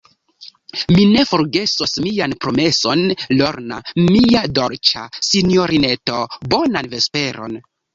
Mi ne forgesos mian promeson, Lorna, mia dolĉa sinjorineto; bonan vesperon.